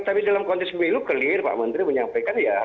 tapi dalam konteks milu keliru pak menteri menyampaikan ya